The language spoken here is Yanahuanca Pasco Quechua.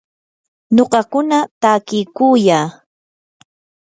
nuqakuna takiykuyaa.